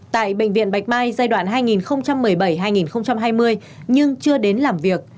tại bệnh viện bạch mai giai đoạn hai nghìn một mươi bảy hai nghìn hai mươi nhưng chưa đến làm việc